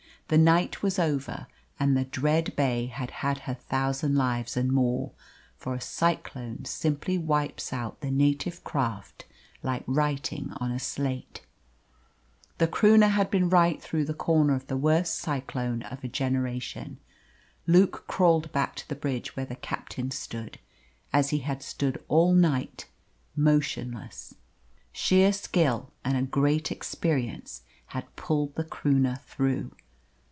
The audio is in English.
The night was over and the dread Bay had had her thousand lives and more, for a cyclone simply wipes out the native craft like writing on a slate. The Croonah had been right through the corner of the worst cyclone of a generation. Luke crawled back to the bridge where the captain stood, as he had stood all night, motionless. Sheer skill and a great experience had pulled the Croonah through.